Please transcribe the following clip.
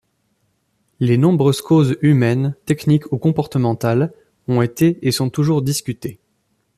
Les nombreuses causes humaines, techniques ou comportementales, ont été et sont toujours discutées.